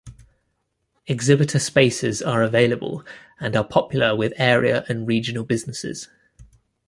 Exhibitor spaces are available and are popular with area and regional businesses.